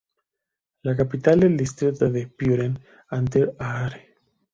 La capital del distrito era Büren an der Aare.